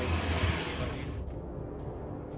terus ke kios terus ke kopi nanya sama dia itu masak beras apa tidak